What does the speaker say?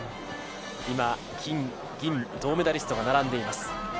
今、金銀銅メダリストが並んでいます。